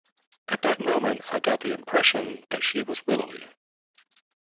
At that moment I got the impression that she was willowy.